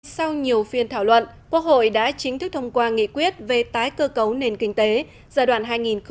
sau nhiều phiên thảo luận quốc hội đã chính thức thông qua nghị quyết về tái cơ cấu nền kinh tế giai đoạn hai nghìn một mươi sáu hai nghìn hai mươi